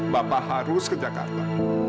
bapak harus ke jakarta